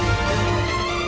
tidak ada yang bisa dihukum